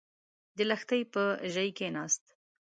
د لښتي پر ژۍکېناست.